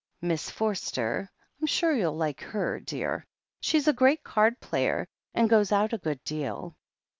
Miss Forster — I'm sure you'll like her, dear. She's a great card player, and goes out a good deal.